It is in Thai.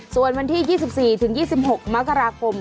ส่วนวันที่๒๔ถึง๒๖มกราคม